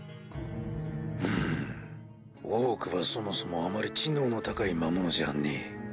ふむオークはそもそもあまり知能の高い魔物じゃねえ。